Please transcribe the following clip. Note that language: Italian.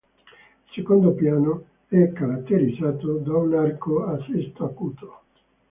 Il secondo piano è caratterizzato da un arco a sesto acuto.